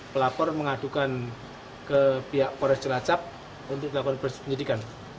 pelapor mengadukan ke pihak polres cilacap untuk dilakukan penyidikan